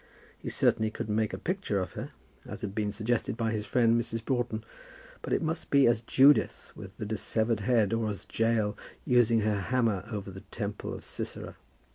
He certainly could make a picture of her, as had been suggested by his friend, Mrs. Broughton, but it must be as Judith with the dissevered head, or as Jael using her hammer over the temple of Sisera.